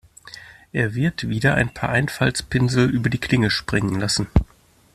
Er wird wieder ein paar Einfaltspinsel über die Klinge springen lassen.